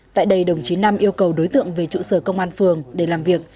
tại đây đồng chí nam yêu cầu đối tượng về trụ sở công an phường để làm việc